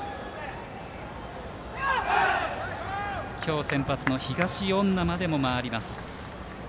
今日、先発の東恩納まで回ります。